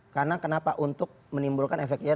karena kenapa untuk menimbulkan efeknya